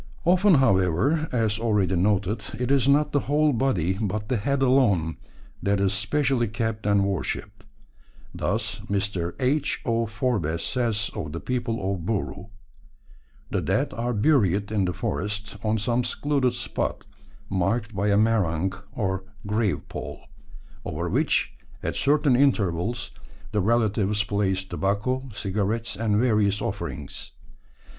Often, however, as already noted, it is not the whole body, but the head alone, that is specially kept and worshipped. Thus Mr. H. O. Forbes says of the people of Buru: "The dead are buried in the forest on some secluded spot, marked by a merang, or grave pole, over which at certain intervals the relatives place tobacco, cigarettes, and various offerings.